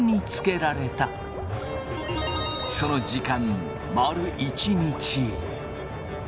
その時間丸一日。